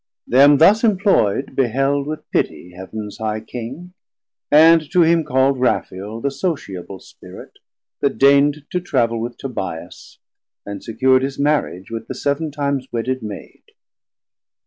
Them thus imploid beheld With pittie Heav'ns high King, and to him call'd 220 Raphael, the sociable Spirit, that deign'd To travel with Tobias, and secur'd His marriage with the seaventimes wedded Maid.